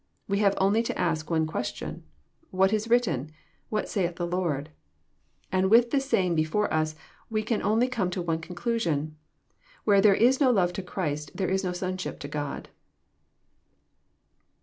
We have only to ask one question: "What is written? What saith the Lord?'* And with this saying before us, we can only come to one conclusion :" Where there is no love to Christ, there is no sonship to God."